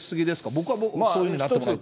僕はそういうふうになってもらいたい。